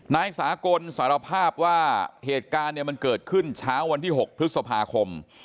นายสากลสารภาพว่าเหตุการณ์เนี่ยมันเกิดขึ้นเช้าวันที่๖พฤษภาคม